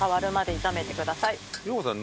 陽子さん